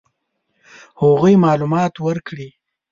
هغوی معلومات ورکړي.